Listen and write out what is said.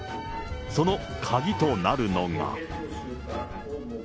その鍵となるのが。